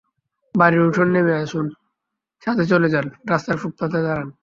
বাড়ির উঠোনে নেমে আসুন, ছাদে চলে যান, রাস্তার ফুটপাতে দাঁড়ান!